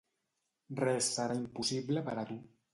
Res serà impossible per a tu.